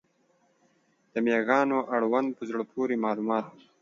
د مېږیانو اړوند په زړه پورې معلومات